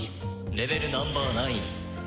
レベルナンバー９」